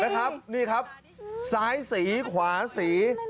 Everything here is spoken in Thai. นะครับนี่ครับซ้ายสีขวาสี